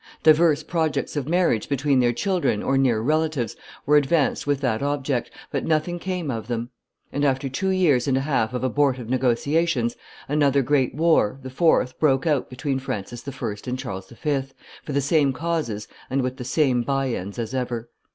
Divers projects of marriage between their children or near relatives were advanced with that object, but nothing came of them; and, after two years and a half of abortive negotiations, another great war, the fourth, broke out between Francis I. and Charles V., for the same causes and with the same by ends as ever.